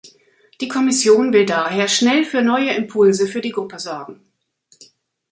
Die Kommission will daher schnell für neue Impulse für die Gruppe sorgen.